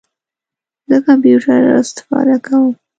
زه کمپیوټر استفاده کوم